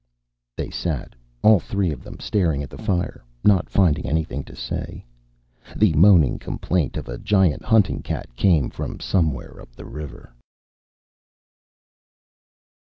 They sat, all three of them, staring at the fire, not finding anything to say. The moaning complaint of a giant hunting cat came from somewhere up the river.